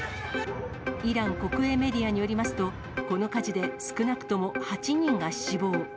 イラン国営メディアによりますと、この火事で少なくとも８人が死亡。